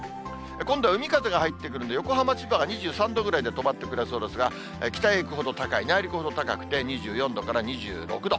今度は海風が入ってくるんで、横浜、千葉が２３度ぐらいで止まってくれそうですが、北へ行くほど高い、内陸ほど高くて２４度から２６度。